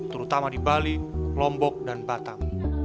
terutama di bali lombok dan batam